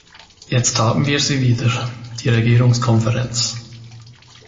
Jetzt haben wir sie wieder, die Regierungskonferenz.